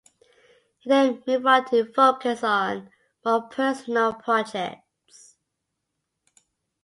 He then moved on to focus on more personal projects.